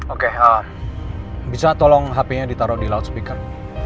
oke bisa tolong hpnya ditaruh di loudspeaker